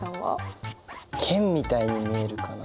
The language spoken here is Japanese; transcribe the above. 剣みたいに見えるかな。